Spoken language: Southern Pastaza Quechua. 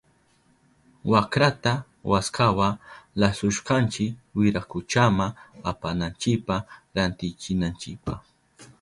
Wakrata waskawa lasushkanchi wirakuchama apananchipa rantichinanchipa.